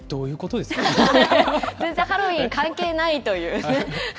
全然ハロウィーン関係ないという。